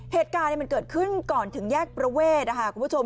เหตุการณ์มันเกิดขึ้นก่อนถึงแยกประเวทคุณผู้ชม